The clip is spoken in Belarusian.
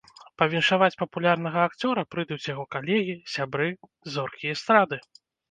Павіншаваць папулярнага акцёра прыйдуць яго калегі, сябры, зоркі эстрады.